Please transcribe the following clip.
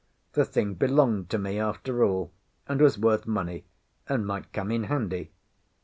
The thing belonged to me, after all, and was worth money, and might come in handy.